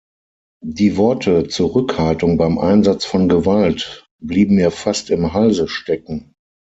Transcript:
Die Worte "Zurückhaltung beim Einsatz von Gewalt" blieben mir fast im Halse stecken.